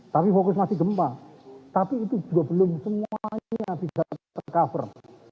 tapi fokus masih gempa tapi itu juga belum semuanya bisa tercover